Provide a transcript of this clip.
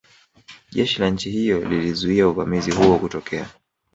Jeshi la nchi hiyo lilizuia uvamizi huo kutokea